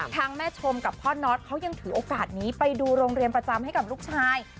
แม่ชมกับพ่อน็อตเขายังถือโอกาสนี้ไปดูโรงเรียนประจำให้กับลูกชาย